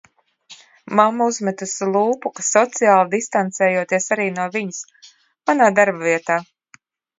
Mamma uzmetusi lūpu, ka sociāli distancējoties arī no viņas. Manā darbavietā.